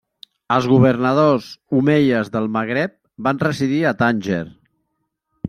Els governadors omeies del Magreb van residir a Tànger.